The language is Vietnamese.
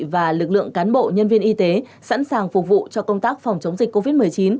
và lực lượng cán bộ nhân viên y tế sẵn sàng phục vụ cho công tác phòng chống dịch covid một mươi chín